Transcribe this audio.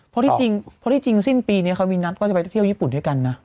เพราะที่จริงสิ้นปีนี้เขามีนัดก็จะไปเที่ยวญี่ปุ่นด้วยกันนะ